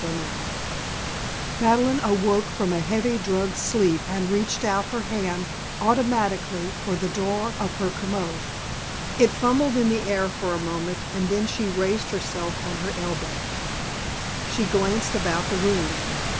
XXXII Madeleine awoke from a heavy drugged sleep and reached out her hand automatically for the drawer of her commode. It fumbled in the air for a moment and then she raised herself on her elbow. She glanced about the room.